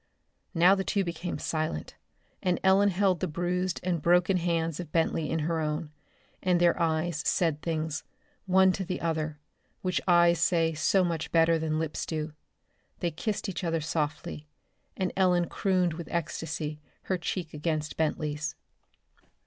Now the two became silent, and Ellen held the bruised and broken hands of Bentley in both her own, and their eyes said things, one to the other, which eyes say so much better than lips do. They kissed each other softly, and Ellen crooned with ecstasy, her cheek against Bentley's.